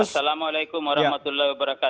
assalamualaikum wr wb